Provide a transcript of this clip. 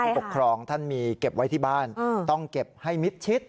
ปกครองท่านมีเก็บไว้ที่บ้านต้องเก็บให้มิดชิด